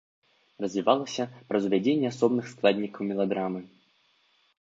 Развівалася праз увядзенне асобных складнікаў меладрамы.